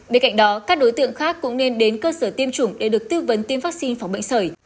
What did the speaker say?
bên cạnh đó các đối tượng khác cũng nên đến cơ sở tiêm chủng để được tư vấn tiêm vaccine phòng bệnh sởi